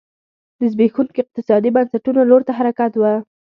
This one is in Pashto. د زبېښونکو اقتصادي بنسټونو لور ته حرکت و